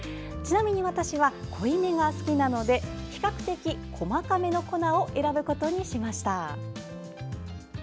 ちなみに私は濃いめが好きなので比較的細かめの粉を選ぶことにしました。